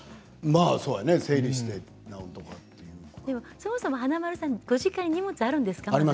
そもそも華丸さんご実家に荷物があるんですか？